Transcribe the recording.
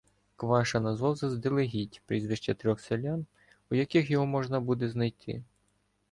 Кваша назвав заздалегідь прізвища трьох селян, у яких його можна буде знайти.